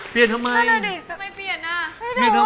กรุงเทพหมดเลยครับ